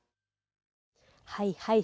はいはい。